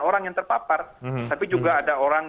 orang yang terpapar tapi juga ada orang